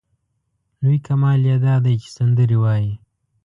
لوی کمال یې دا دی چې سندرې وايي.